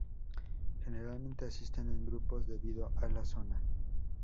Generalmente asisten en grupos debido a la zona.